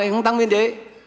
anh không tăng biên chế